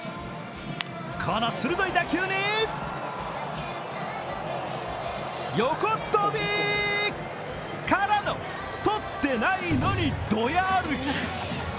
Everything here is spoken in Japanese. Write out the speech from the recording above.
この鋭い打球に、横っ飛び。からの取ってないのにドヤ歩き。